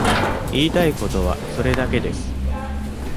言いたいことはそれだけです。